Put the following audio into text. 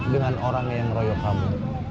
dengan orang yang ngeroyok kamu